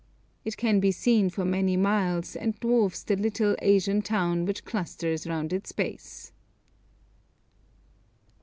It can be seen for many miles, and dwarfs the little Central Asian town which clusters round its base.